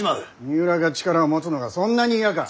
三浦が力を持つのがそんなに嫌か！